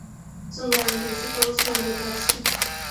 څومره انګریزي پوځ ژوندی پاتې سو؟